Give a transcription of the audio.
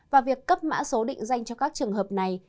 và việc cấp mã số định danh cho các trường hợp này